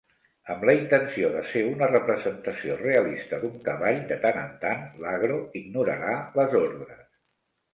Amb la intenció de ser una representació realista d'un cavall, de tant en tant l'Agro ignorarà les ordres.